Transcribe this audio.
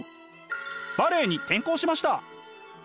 バレエに転向しました。